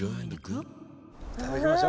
いただきましょう。